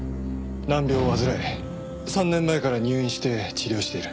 難病を患い３年前から入院して治療している。